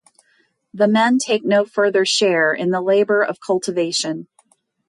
The men take no further share in the labor of cultivation.